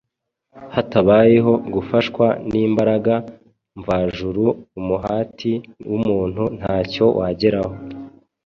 Hatabayeho gufashwa n’imbaraga mvajuru umuhati w’umuntu ntacyo wageraho.